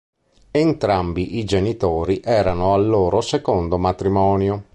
Entrambi i genitori erano al loro secondo matrimonio.